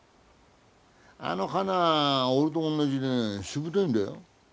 あの花はおれとおんなじでねしぶといんだよ。